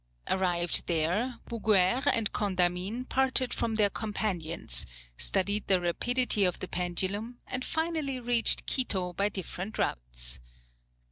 Arrived there, Bouguer and Condamine parted from their companions, studied the rapidity of the pendulum, and finally reached Quito by different routes.